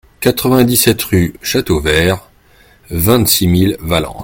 quatre-vingt-dix-sept rue Chateauvert, vingt-six mille Valence